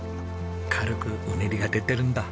軽くうねりが出てるんだ。